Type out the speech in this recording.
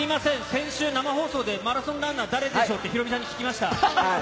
先週、生放送でマラソンランナー誰でしょう？ってヒロミさんに聞きました。